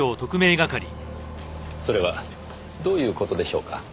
それはどういう事でしょうか？